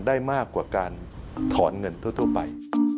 ได้มากกว่าการถอนเงินทั่วไป